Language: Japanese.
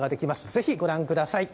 ぜひ、ご覧ください。